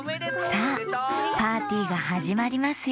さあパーティーがはじまりますよ